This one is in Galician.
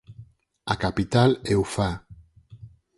A capital é Ufá.